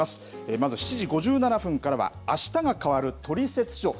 まず７時５７分からはあしたが変わるトリセツショー。